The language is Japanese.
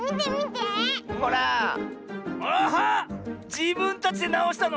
じぶんたちでなおしたの？